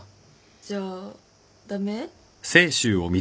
じゃあ駄目？